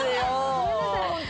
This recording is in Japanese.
ごめんなさいホントに。